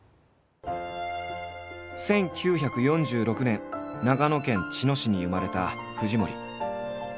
１９４６年長野県茅野市に生まれた藤森。